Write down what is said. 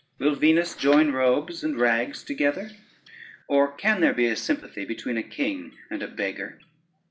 Will Venus join robes and rags together, or can there be a sympathy between a king and a beggar?